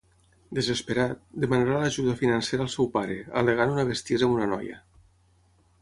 Desesperat, demanarà l'ajuda financera al seu pare, al·legant una bestiesa amb una noia.